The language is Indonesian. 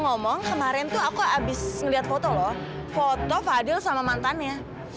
ngomong kemarin tuh aku abis ngelihat foto loh foto fadil sama mantannya